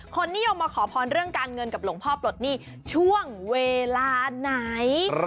นิยมมาขอพรเรื่องการเงินกับหลวงพ่อปลดหนี้ช่วงเวลาไหน